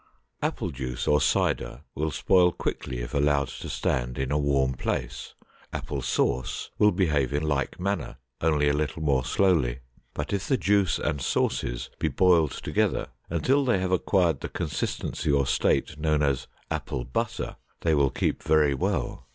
Apple juice or cider will spoil quickly if allowed to stand in a warm place; apple sauce will behave in like manner only a little more slowly; but if the juice and sauces be boiled together until they have acquired the consistency or state known as apple butter, they will keep very well.